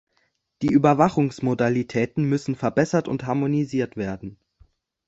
Die Überwachungsmodalitäten müssen verbessert und harmonisiert werden.